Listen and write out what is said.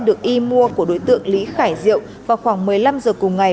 được y mua của đối tượng lý khải diệu vào khoảng một mươi năm giờ cùng ngày